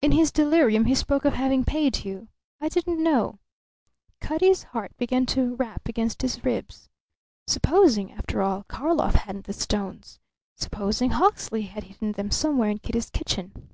"In his delirium he spoke of having paid you. I didn't know." Cutty's heart began to rap against his ribs. Supposing, after all, Karlov hadn't the stones? Supposing Hawksley had hidden them somewhere in Kitty's kitchen?